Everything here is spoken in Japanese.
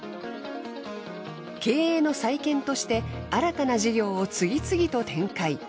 経営の再建として新たな事業を次々と展開。